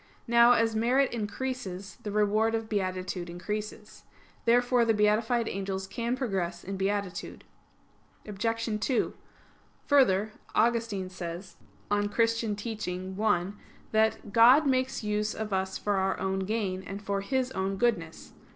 Now, as merit increases, the reward of beatitude increases. Therefore the beatified angels can progress in beatitude. Obj. 2: Further, Augustine says (De Doctr. Christ. i) that "God makes use of us for our own gain, and for His own goodness.